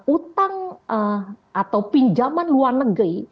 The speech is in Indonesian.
utang atau pinjaman luar negeri